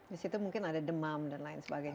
disitu mungkin ada demam dan lain sebagainya